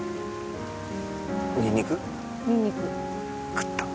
食ったわ。